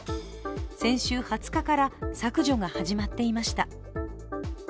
先週２０日から削除が始まっていました。